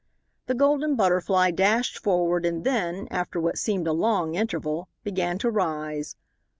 The Golden Butterfly dashed forward and then, after what seemed a long interval, began to rise.